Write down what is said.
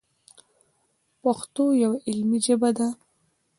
پښتو یوه علمي ژبه ده.